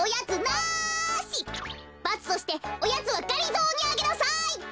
バツとしておやつはがりぞーにあげなさい！